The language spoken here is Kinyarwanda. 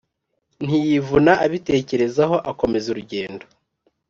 ntiyivuna abitekerezaho akomeza urugendo,